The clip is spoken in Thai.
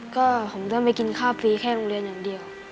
ก็ผมต้องไปกินข้าวฟรีแค่โรงเรียนอย่างเดียว